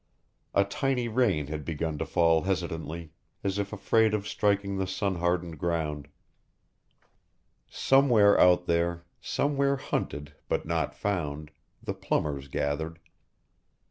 A tiny rain had begun to fall hesitantly as if afraid of striking the sun hardened ground. _Somewhere out there, somewhere hunted, but not found, the plumbers gathered.